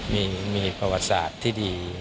มีประวัติศาสตร์ที่ดี